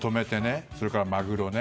それからマグロね。